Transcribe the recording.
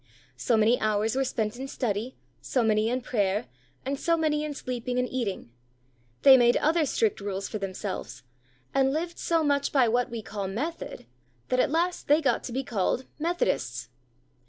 So many hours were spent in study, so many in prayer, and so many in sleeping and eating. They made other strict rules for themselves, and lived so much by what we call "method," that at last they got to be called "Methodists."